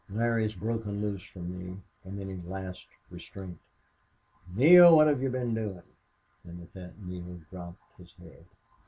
"Larry has broken loose from me from any last restraint." "Neale, what have you been doing?" And at that Neale dropped his head.